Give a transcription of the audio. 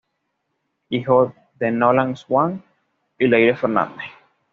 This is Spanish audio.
Hijo de Nolan Swan y Leyre Fernández.